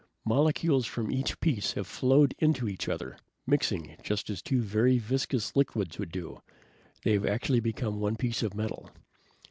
Molecules from each piece have flowed into the other, mixing just as two very viscous liquids would do. They have actually become one piece of metal."